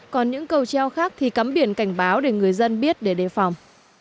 còn những cầu treo khác thì cắm biển cảnh báo để người dân biết để đề phòng